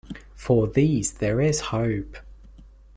For these there is hope.